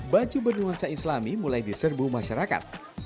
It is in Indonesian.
baju bernuansa islami mulai diserbu masyarakat